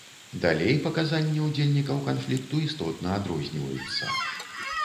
Далей паказанні ўдзельнікаў канфлікту істотна адрозніваюцца.